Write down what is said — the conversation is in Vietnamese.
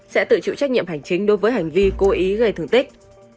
sẽ tự chịu trách nhiệm hành chính đối với hành vi cố ý gây thương tích